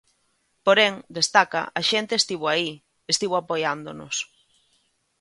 Porén, destaca, "a xente estivo aí, estivo apoiándonos".